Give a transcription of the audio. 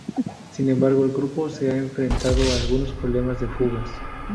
Sin embargo, el grupo se ha enfrentado a algunos problemas de fugas.